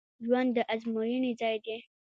ژوند د ازموینې ځای دی